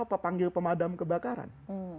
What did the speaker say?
apa panggil pemadam kebakaran